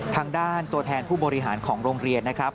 ทางด้านตัวแทนผู้บริหารของโรงเรียนนะครับ